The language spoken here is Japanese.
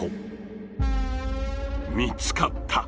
見つかった！